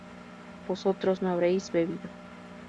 ¿vosotros no habréis bebido?